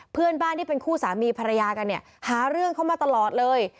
เพื่อนบ้านที่เป็นคู่สามีภรรยากันเนี่ยหาเรื่องเขามาตลอดเลย